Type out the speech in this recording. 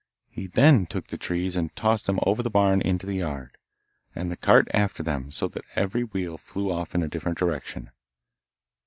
He then took the trees and tossed them over the barn into the yard, and the cart after them, so that every wheel flew off in a different direction.